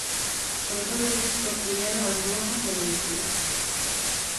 Con todo isto viñeron as mozas de mentira.